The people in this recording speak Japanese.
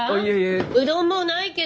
うどんもうないけど。